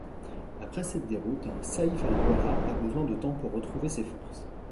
Après cette déroute, Sayf al-Dawla a besoin de temps pour retrouver ses forces.